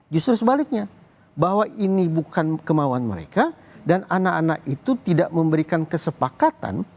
justru sebaliknya bahwa ini bukan kemauan mereka dan anak anak itu tidak memberikan kesepakatan